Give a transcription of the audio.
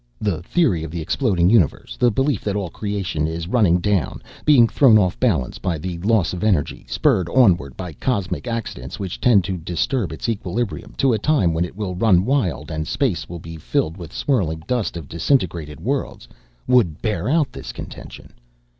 The theory of the exploding universe, the belief that all of creation is running down, being thrown off balance by the loss of energy, spurred onward by cosmic accidents which tend to disturb its equilibrium, to a time when it will run wild and space will be filled with swirling dust of disintegrated worlds, would bear out this contention.